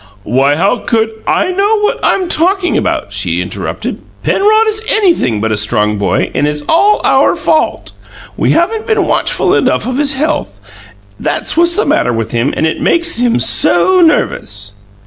"Why, how could " "I know what I'm talking about," she interrupted. "Penrod is anything but a strong boy, and it's all our fault. We haven't been watchful enough of his health; that's what's the matter with him and makes him so nervous."